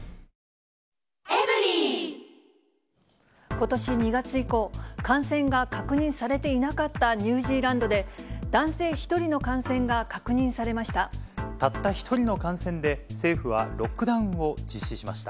ことし２月以降、感染が確認されていなかったニュージーランドで、たった１人の感染で、政府はロックダウンを実施しました。